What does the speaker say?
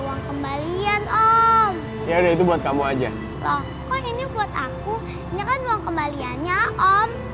uang kembalian om ya itu buat kamu aja lah kok ini buat aku ini kan uang kembaliannya om